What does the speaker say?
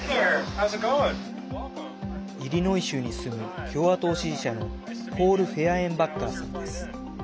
イリノイ州に住む共和党支持者のポール・フェアエンバッカーさんです。